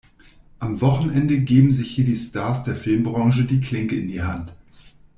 Am Wochenende geben sich hier die Stars der Filmbranche die Klinke in die Hand.